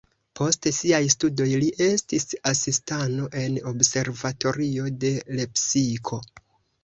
Post siaj studoj li estis asistanto en observatorio de Lepsiko.